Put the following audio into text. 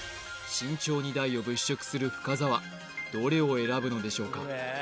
慎重に台を物色する深澤どれを選ぶのでしょうか？